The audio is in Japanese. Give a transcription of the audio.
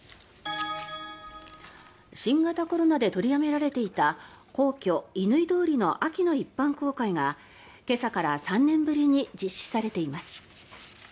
新型コロナで取りやめられていた皇居・乾通りの秋の一般公開が今朝から３年ぶりに実施されています。